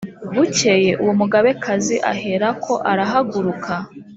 Bukeye uwo mugabekazi aherako arahaguruka